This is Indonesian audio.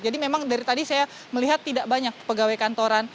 jadi memang dari tadi saya melihat tidak banyak pegawai kantoran